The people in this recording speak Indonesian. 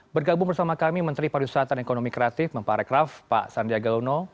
bergabung bersama kami menteri pada usaha tanah ekonomi kreatif mbak rekraf pak sandiagaluno